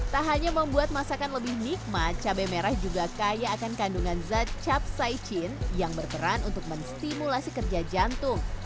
tak hanya membuat masakan lebih nikmat cabai merah juga kaya akan kandungan zat capsaicin yang berperan untuk menstimulasi kerja jantung